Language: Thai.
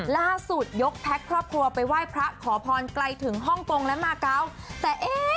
ยกแพ็คครอบครัวไปไหว้พระขอพรไกลถึงฮ่องกงและมาเกาะแต่เอ๊ะ